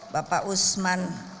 bapak usman sapta